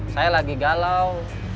saya lagi galau